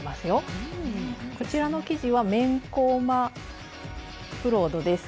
こちらの生地は綿コーマブロードです。